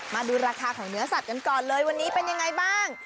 มาดูราคาของเนื้อสัตว์กันก่อนเลยวันนี้เป็นยังไงบ้าง